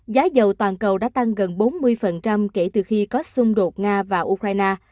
giá dầu toàn cầu đã tăng gần bốn mươi kể từ khi có xung đột nga và ukraine